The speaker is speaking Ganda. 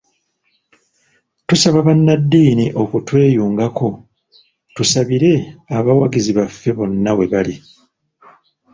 Tusaba bannaddiini okutweyungako tusabire abawagizi baffe wonna webali.